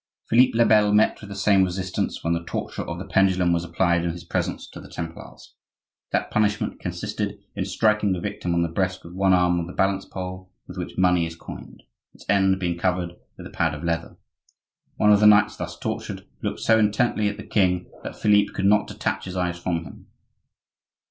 Philippe le Bel met with the same resistance when the torture of the pendulum was applied in his presence to the Templars. That punishment consisted in striking the victim on the breast with one arm of the balance pole with which money is coined, its end being covered with a pad of leather. One of the knights thus tortured, looked so intently at the king that Philippe could not detach his eyes from him.